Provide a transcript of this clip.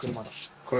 これ？